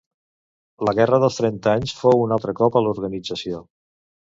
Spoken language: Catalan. La Guerra dels Trenta anys fou un altre cop a l'organització.